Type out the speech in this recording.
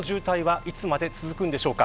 この状態はいつまで続くんでしょうか。